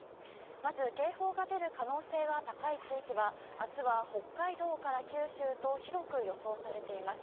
まず、警報が出る可能性が高い地域は明日は北海道から九州と広く予想されています。